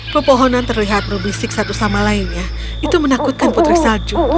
pepohonan terlihat berbisik satu sama lainnya itu menakutkan putri salju